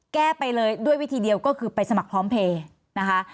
แก้ไปเลยด้วยวิธีเดียวก็คือไปสมัครพร้อมเพลย์นะคะ